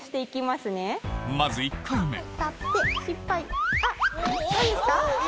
まず１回目立って。